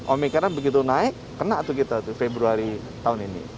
omikron begitu naik kena kita februari tahun ini